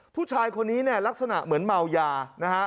ผู้ชายคนนี้เนี่ยลักษณะเหมือนเมายานะฮะ